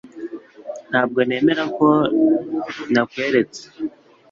Ntabwo nemera ko nakweretse